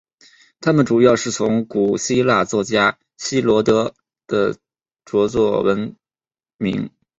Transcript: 他们主要是从古希腊作家希罗多德的着作闻名。